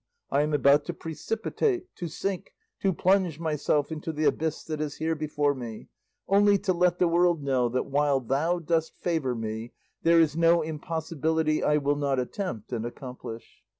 I am about to precipitate, to sink, to plunge myself into the abyss that is here before me, only to let the world know that while thou dost favour me there is no impossibility I will not attempt and accomplish."